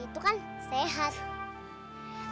aku merasa tutup